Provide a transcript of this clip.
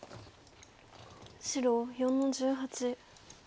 白４の十八。